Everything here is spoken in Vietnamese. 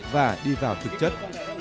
và đi vào thực chất